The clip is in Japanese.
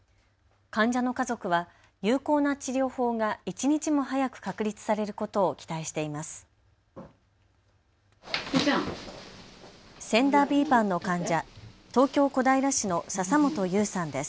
患者の家族は有効な治療法が一日も早く確立されることを期待しています。